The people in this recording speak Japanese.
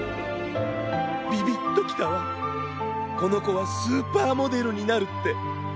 ビビッときたわこのこはスーパーモデルになるって。